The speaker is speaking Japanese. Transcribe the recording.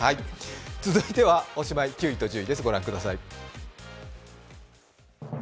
続いては、おしまいに９位と１０位です。